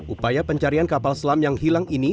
upaya pencarian kapal selam yang hilang ini